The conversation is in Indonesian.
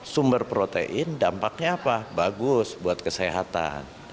sumber protein dampaknya apa bagus buat kesehatan